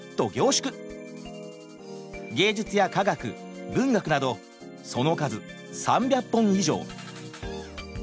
芸術や科学文学などその数３００本以上。